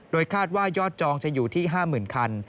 คาดว่ายอดจองจะอยู่ที่๕๐๐๐คัน